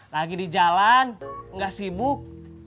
lagi di jalan nggak sibuk